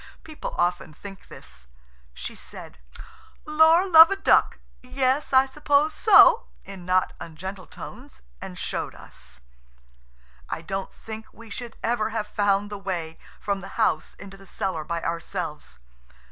People often think this. She said: "Lor, love a duck–yes, I suppose so," in not ungentle tones, and showed us. I don't think we should ever have found the way from the house into the cellar by ourselves.